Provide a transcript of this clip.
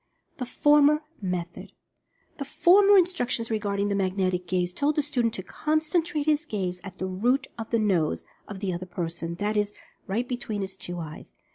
THE FORMER METHOD. The former instructions regarding the "Magnetic Gaze" told the student to concentrate his gaze "at the root of the nose" of the other person, that is, right between his two eyes.